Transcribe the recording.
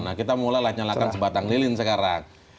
nah kita mulailah nyalakan sebatang lilin sekarang